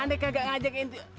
aneh kagak ngajak inti